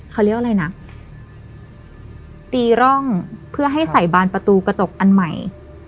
เขาเรียกอะไรนะตีร่องเพื่อให้ใส่บานประตูกระจกอันใหม่